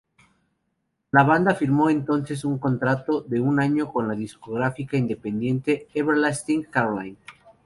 La banda firmó entonces un contrato de un año con la discográfica independiente Everlasting-Caroline.